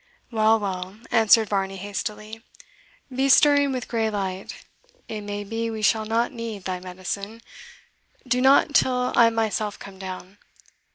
"Well, well," answered Varney hastily, "be stirring with grey light. It may be we shall not need thy medicine do nought till I myself come down.